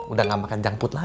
udah gak makan jangkut lagi